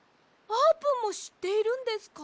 あーぷんもしっているんですか！